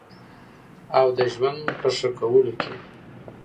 او د ژوند په ښه کولو کې